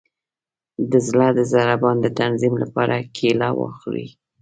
د زړه د ضربان د تنظیم لپاره کیله وخورئ